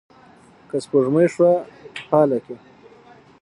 که سپوږمۍ شوه په هاله کې